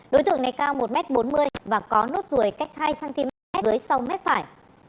đối tượng này cao một m bốn mươi và có nốt ruồi cách hai cm dưới sau mép phải